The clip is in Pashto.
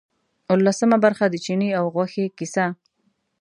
اوولسمه برخه د چیني او غوښې کیسه.